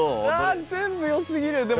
全部よすぎる！